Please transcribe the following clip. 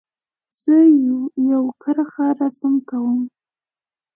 زه یو کرښه رسم کوم.